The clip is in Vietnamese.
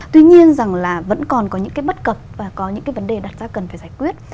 tuy nhiên rằng là vẫn còn có những cái bất cập và có những cái vấn đề đặt ra cần phải giải quyết